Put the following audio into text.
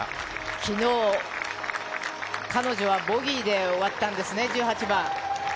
昨日、彼女はボギーで終わったんですね、１８番。